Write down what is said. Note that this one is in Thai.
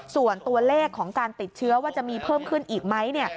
ส่วนตัวเลขของการติดเชื้อว่าจะมีเพิ่มขึ้นอีกไหม